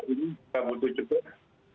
ini juga butuh juga